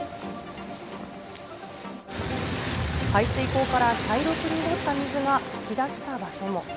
排水溝から茶色く濁った水が噴き出した場所も。